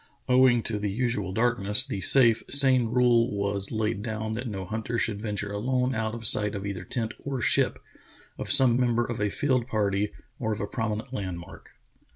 Owing to the usual darkness, the safe, sane rule was laid down that no hunter should venture alone out of sight of either tent or ship, of some member of a field party, or of a prominent landmark.